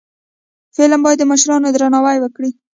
فلم باید د مشرانو درناوی وکړي